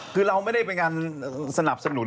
คือเราไม่ได้เป็นการสนับสนุน